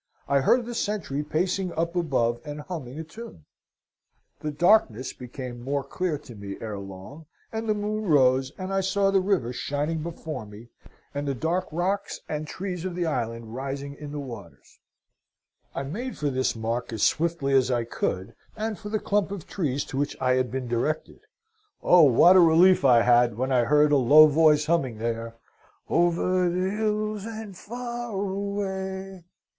I heard the sentry pacing up above and humming a tune. The darkness became more clear to me ere long, and the moon rose, and I saw the river shining before me, and the dark rocks and trees of the island rising in the waters. "I made for this mark as swiftly as I could, and for the clump of trees to which I had been directed. Oh, what a relief I had when I heard a low voice humming there, 'Over the hills and far away'!"